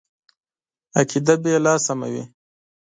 عقیده به یې لا سمه وي.